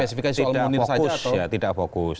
memang tidak fokus